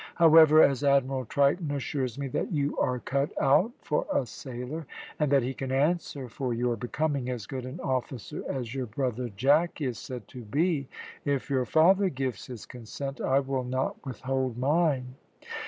However, as Admiral Triton assures me that you are cut out for a sailor, and that he can answer for your becoming as good an officer as your brother Jack is said to be, if your father gives his consent, I will not withhold mine."